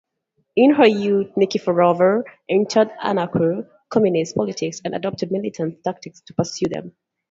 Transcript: In her youth, Nikiforova entered anarcho-communist politics and adopted militant tactics to pursue them.